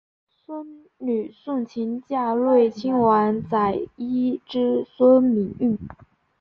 孙女诵琴嫁端亲王载漪之孙毓运。